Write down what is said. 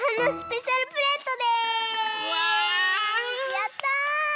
やった！